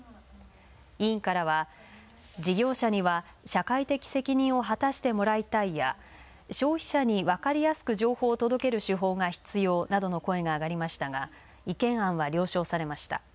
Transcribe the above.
委員からは事業者には社会的責任を果たしてもらいたいや、消費者に分かりやすく情報を届ける手法が必要などの声が上がりましたが意見案は了承されました。